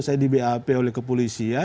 saya di bap oleh kepolisian